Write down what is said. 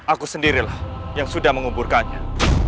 aku sendirilah yang sudah menguburkannya